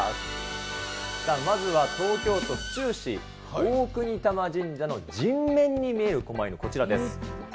まずは東京都府中市、大國魂神社の人面に見えるこま犬、こちらです。